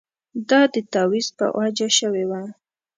دا د تاویز په وجه شوې وه.